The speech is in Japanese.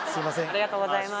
ありがとうございます